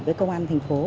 với công an thành phố